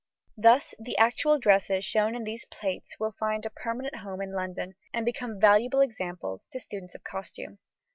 Thus the actual dresses shown in these plates will find a permanent home in London, and become valuable examples to students of costume.